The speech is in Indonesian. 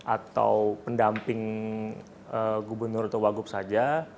atau pendamping gubernur atau wagup saja